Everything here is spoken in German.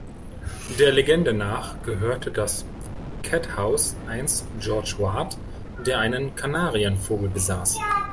Der Legende nach gehörte das "Cat House" einst "George Ward", der einen Kanarienvogel besaß.